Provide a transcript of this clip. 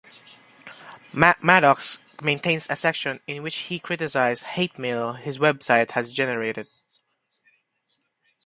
Maddox maintains a section in which he criticizes hate mail his website has generated.